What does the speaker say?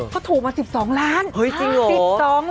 เขาถูกมา๑๒ล้านบาทค่ะ